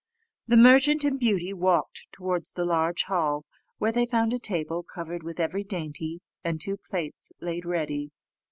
The merchant and Beauty walked towards the large hall, where they found a table covered with every dainty, and two plates laid ready.